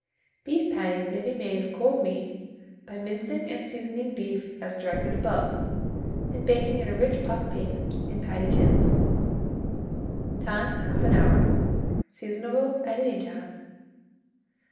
Beef patties may be made of cold meat, by mincing and seasoning beef as directed above, and baking in a rich puff paste in patty tins. Time, 1/2 hour. Seasonable at any time.